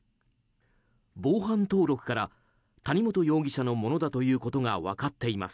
防犯登録から谷本容疑者のものだということがわかっています。